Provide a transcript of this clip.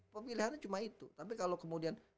pemilihannya cuma itu tapi kalo kemudian